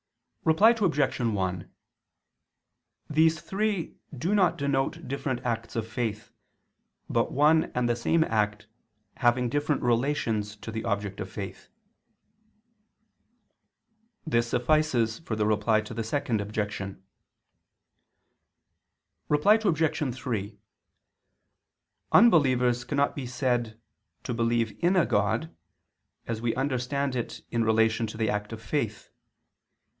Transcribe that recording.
Reply Obj. 1: These three do not denote different acts of faith, but one and the same act having different relations to the object of faith. This suffices for the Reply to the Second Objection. Reply Obj. 3: Unbelievers cannot be said "to believe in a God" as we understand it in relation to the act of faith.